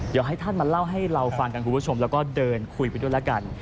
เดี๋ยวให้ท่านมาเล่าให้เราฟังกันคุณผู้ชมแล้วก็เดินคุยไปด้วยแล้วกัน